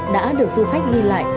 đã được du khách ghi lại